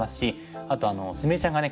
あと菫ちゃんがね